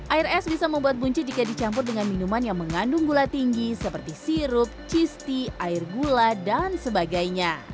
air es bisa membuat bunci jika dicampur dengan minuman yang mengandung gula tinggi seperti sirup cheese tea air gula dan sebagainya